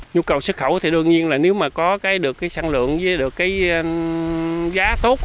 nhu cầu xuất khẩu thì đương nhiên là nếu mà có được sản lượng với được giá tốt